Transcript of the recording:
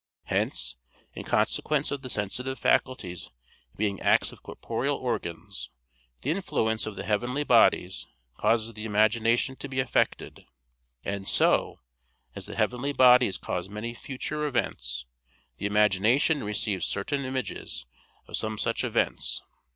Hence, in consequence of the sensitive faculties being acts of corporeal organs, the influence of the heavenly bodies causes the imagination to be affected, and so, as the heavenly bodies cause many future events, the imagination receives certain images of some such events.